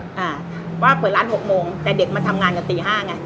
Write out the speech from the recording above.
อ่าว่าเปิดร้านหกโมงแต่เด็กมาทำงานกับตีห้าไง